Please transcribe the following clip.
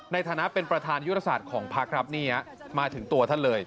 ในฐานะเป็นประธานยุทธศาสตร์ของพักครับนี่ฮะมาถึงตัวท่านเลย